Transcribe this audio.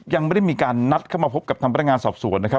ยังไม่ได้มีการนัดเข้ามาพบกับทางพนักงานสอบสวนนะครับ